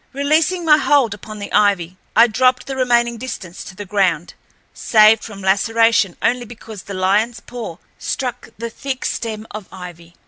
Releasing my hold upon the ivy, I dropped the remaining distance to the ground, saved from laceration only because the lionl's paw struck the thick stem of ivy.